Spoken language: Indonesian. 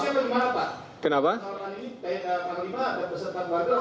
pak panglima ada peserta barter di indonesia atau tidak